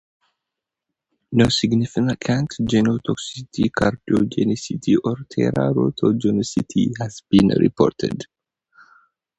No significant genotoxicity, carcinogenicity or teratogenicity has been reported.